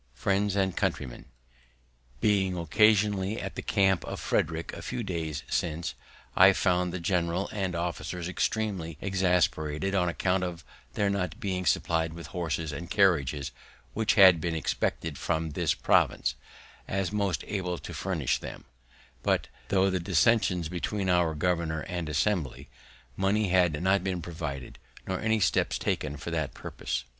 _ "Friends and Countrymen, "Being occasionally at the camp at Frederic a few days since, I found the general and officers extremely exasperated on account of their not being supplied with horses and carriages, which had been expected from this province, as most able to furnish them; but, through the dissensions between our governor and Assembly, money had not been provided, nor any steps taken for that purpose. By chance.